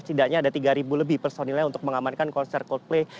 setidaknya ada tiga lebih personilnya untuk mengamankan konser coldplay